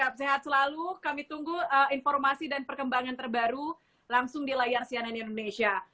sehat sehat selalu kami tunggu informasi dan perkembangan terbaru langsung di layar cnn indonesia